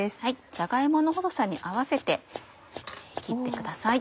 じゃが芋の細さに合わせて切ってください。